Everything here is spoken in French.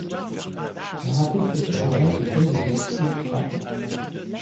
La râpée se fait à base de pommes de terre crues râpées.